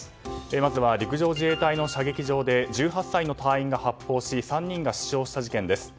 まずは陸上自衛隊の射撃場で１８歳の隊員が発砲し３人が死傷した事件です。